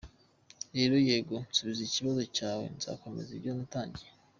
Rero, yego, nsubije ikibazo cyawe, nzakomeza ibyo natangiye.